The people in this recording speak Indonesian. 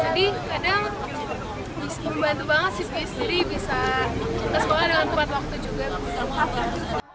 jadi kadang membantu banget sih jadi bisa ke sekolah dengan tepat waktu juga